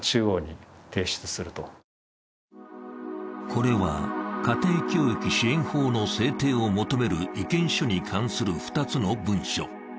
これは家庭教育支援法の制定を求める意見書に関する２つの文書。